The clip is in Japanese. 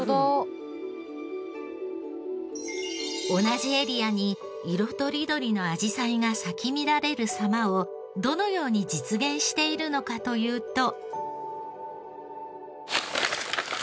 同じエリアに色とりどりのあじさいが咲き乱れる様をどのように実現しているのかというと。